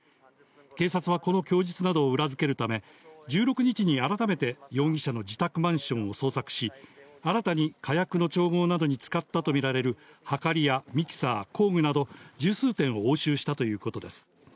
警察はこの供述などを裏付けるため、１６日に改めて容疑者の自宅マンションを捜索し、新たに火薬の調合などに使ったと見られるはかりやミキサー、工具など、十数点を押収したということです。